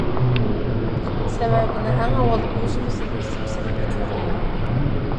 سەۋەبنى ئەڭ ئاۋۋال ئۆزىمىزدىن ئىزدىمىسەك بىكار.